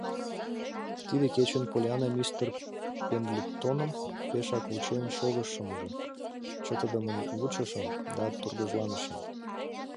Тиде кечын Поллианна мистер Пендлетоным пешак вучен шогышым ужо, чытыдымын вучышым да тургыжланышым.